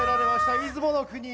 出雲の国へ。